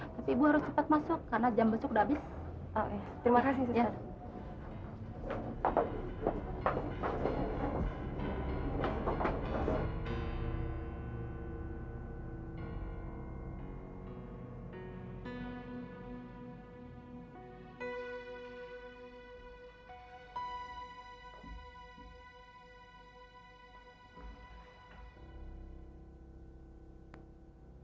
tapi ibu harus cepat masuk karena jam besok sudah habis